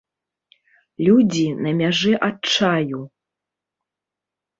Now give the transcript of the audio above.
Людзі на мяжы адчаю!